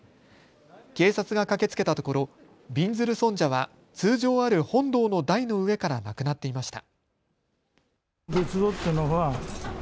警察が駆けつけたところびんずる尊者は通常ある本堂の台の上からなくなっていました。